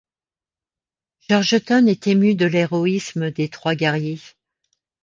Gorgeton est ému de l'héroïsme des trois guerriers.